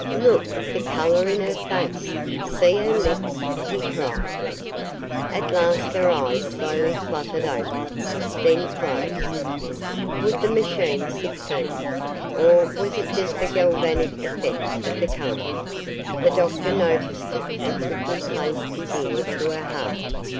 "Look! The color in her face! See her lips!" he cried. At last her eyes slowly fluttered open then closed. Would the machine succeed? Or was it just the galvanic effect of the current? The doctor noticed it and quickly placed his ear to her heart.